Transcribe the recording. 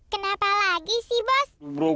kenapa lagi sih bos